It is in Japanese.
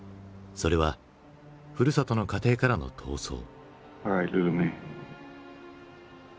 それはふるさとの家庭からの逃走。